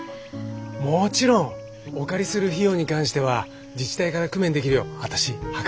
もちろんお借りする費用に関しては自治体から工面できるよう私計らいますんで。